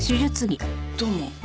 どうも。